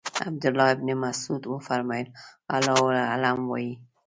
عبدالله ابن مسعود وفرمایل الله اعلم وایئ.